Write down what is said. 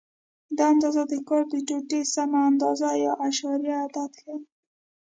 دا اندازه د کار د ټوټې سمه اندازه یا اعشاریه عدد ښیي.